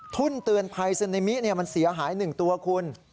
ทุ่นเตือนภัยซึนามิมันเสียหาย๑ตัวคุณ